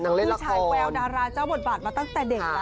นางเล่นละครผู้ชายแววดาราเจ้าบทบาทมาตั้งแต่เด็กแล้ว